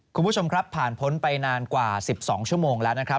คุณผู้ชมครับผ่านพ้นไปนานกว่า๑๒ชั่วโมงแล้วนะครับ